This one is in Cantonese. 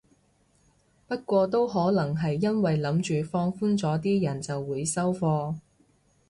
不過都可能係因為諗住放寬咗啲人就會收貨